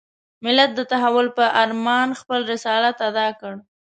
ملت د تحول په ارمان خپل رسالت اداء کړ.